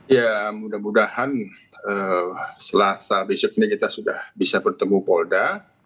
ya mudah mudahan selasa besok ini kita sudah bisa bertemu polda